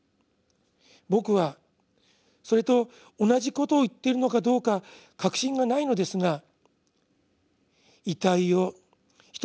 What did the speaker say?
僕はそれと同じことを言っているのかどうか確信がないのですが」。